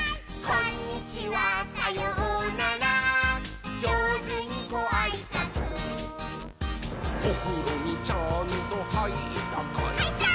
「こんにちはさようならじょうずにごあいさつ」「おふろにちゃんとはいったかい？」はいったー！